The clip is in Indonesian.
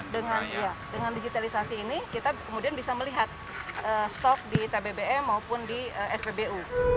dengan digitalisasi ini kita kemudian bisa melihat stok di tbbm maupun di spbu